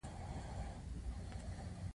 دا جوړښتونه ځینې وخت برخلیک د چانس تابع کوي.